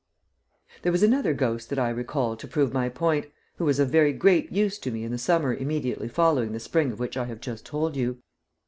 There was another ghost that I recall to prove my point, who was of very great use to me in the summer immediately following the spring of which I have just told you.